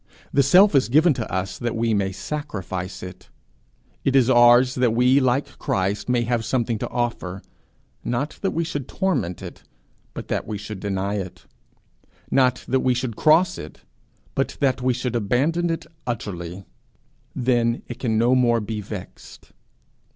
The self is given to us that we may sacrifice it; it is ours that we like Christ may have somewhat to offer not that we should torment it, but that we should deny it; not that we should cross it, but that we should abandon it utterly: then it can no more be vexed.